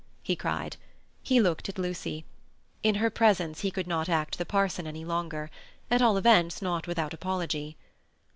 he cried. He looked at Lucy. In her presence he could not act the parson any longer—at all events not without apology.